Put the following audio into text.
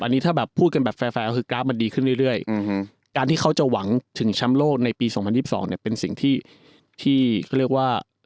อันนี้ถ้าแบบพูดกันแบบแฟร์ก็คือกราฟมันดีขึ้นเรื่อยการที่เขาจะหวังถึงแชมป์โลกในปี๒๐๒๒เนี่ยเป็นสิ่งที่เขาเรียกว่า